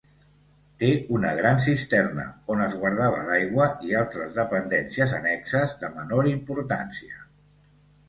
Té una gran cisterna on es guardava l'aigua i altres dependències annexes de menor importància.